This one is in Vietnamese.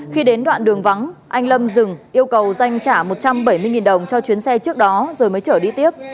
khi đến đoạn đường vắng anh lâm dừng yêu cầu danh trả một trăm bảy mươi đồng cho chuyến xe trước đó rồi mới chở đi tiếp